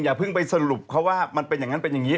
เพิ่งไปสรุปเขาว่ามันเป็นอย่างนั้นเป็นอย่างนี้